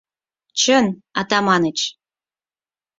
— Чын, Атаманыч!